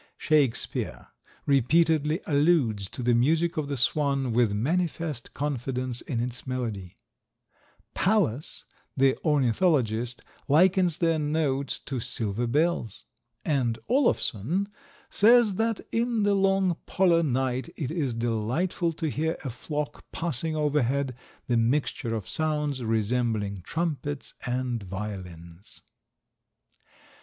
Shakespeare repeatedly alludes to the music of the swan with manifest confidence in its melody; Pallas, the ornithologist, likens their notes to silver bells; and Olaffson says that in the long Polar night it is delightful to hear a flock passing overhead, the mixture of sounds resembling trumpets and violins.